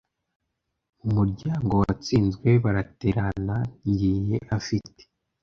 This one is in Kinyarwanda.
Mu muryango watsinzwe baraterana! Ngiye afite !